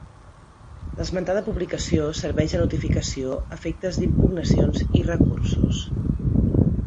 L'esmentada publicació serveix de notificació a efectes d'impugnacions i recursos.